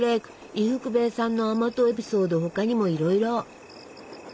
伊福部さんの甘党エピソード他にもいろいろ！